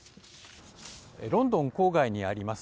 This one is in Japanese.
ロンドンに郊外にあります